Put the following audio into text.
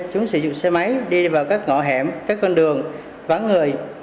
chúng sử dụng xe máy đi vào các ngõ hẻm các con đường vắng người